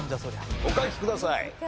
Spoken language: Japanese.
お書きください。